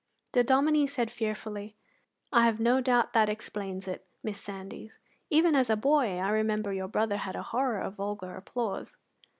The Dominie said fearfully: "I have no doubt that explains it, Miss Sandys. Even as a boy I remember your brother had a horror of vulgar applause."